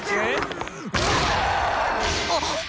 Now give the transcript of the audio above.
あっ！